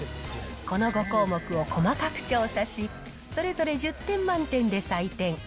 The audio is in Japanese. この５項目を細かく調査し、それぞれ１０点満点で採点。